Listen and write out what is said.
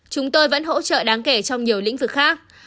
chúng tôi vẫn hỗ trợ đáng kể trong nhiều lĩnh vực khác